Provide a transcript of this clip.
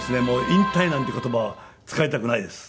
引退なんていう言葉は使いたくないです。